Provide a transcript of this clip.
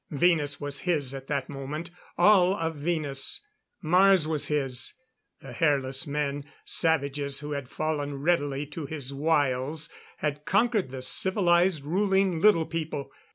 Venus was his at that moment; all of Venus. Mars was his; the Hairless Men savages who had fallen readily to his wiles, had conquered the civilized, ruling Little People.